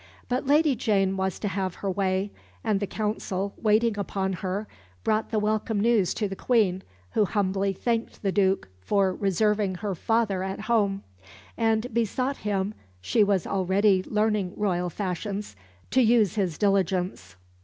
But Lady Jane was to have her way, and the Council, waiting upon her, brought the welcome news to the Queen, who humbly thanked the Duke for reserving her father at home, and besought him she was already learning royal fashions to use his diligence.